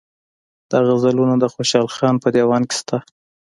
دا غزلونه د خوشحال خان په دېوان کې شته.